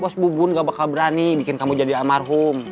bos bubun gak bakal berani bikin kamu jadi almarhum